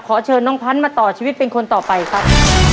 ขอเชิญน้องพันธุ์มาต่อชีวิตเป็นคนต่อไปครับ